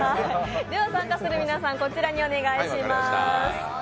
では参加する皆さん、こちらにお願いします。